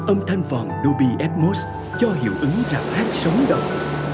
âm thanh vọng dolby atmos cho hiệu ứng rạp hát sống động